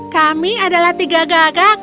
kami adalah tiga gagak